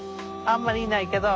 あんまりいないけど。